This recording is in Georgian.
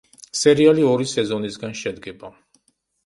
სერიალი ორი სეზონისგან შედგება.